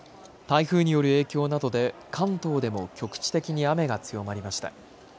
台風による影響などで関東でも局地的に雨が強まりました。